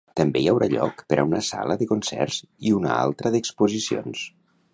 També hi haurà lloc per a una sala de concerts i una altra d'exposicions.